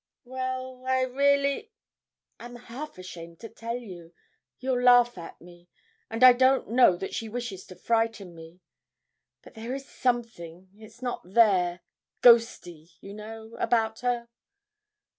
'Well, I really I'm half ashamed to tell you you'll laugh at me and I don't know that she wishes to frighten me. But there is something, is not there, ghosty, you know, about her?'